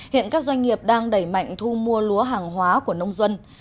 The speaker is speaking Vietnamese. hiện các doanh nghiệp đang đẩy mạnh thu mua lúa hàng hóa của nông dân